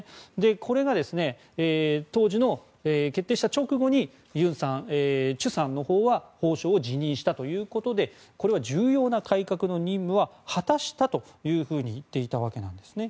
これが当時の決定した直後にチュさんのほうは法相を辞任したということで重要な改革の任務を果たしたと言っていたわけなんですね。